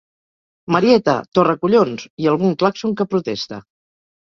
Marieta!’, ‘Torracollons!’ i algun clàxon que protesta.